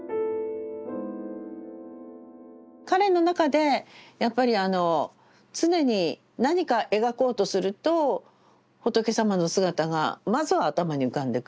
彼の中でやっぱりあの常に何か描こうとすると仏様の姿がまずは頭に浮かんでくると。